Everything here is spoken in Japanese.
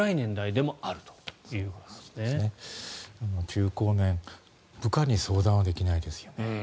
中高年部下に相談はできないですよね。